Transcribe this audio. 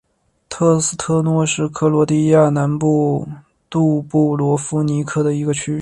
特斯特诺是克罗地亚南部杜布罗夫尼克的一个区。